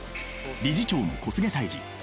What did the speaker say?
理事長の小菅泰治。